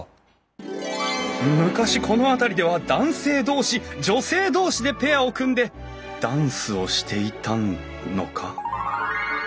昔この辺りでは男性同士女性同士でペアを組んでダンスをしていたのか？